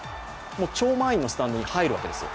超満員のスタンドに入るわけです。